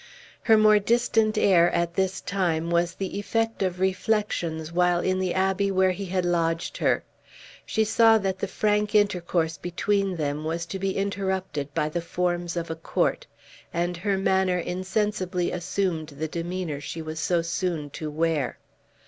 Her more distant air at this time was the effect of reflections while in the abbey where he had lodged her. She saw that the frank intercourse between them was to be interrupted by the forms of a court, and her manner insensibly assumed the demeanor she was so soon to wear.